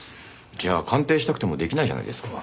じゃあ鑑定したくても出来ないじゃないですか。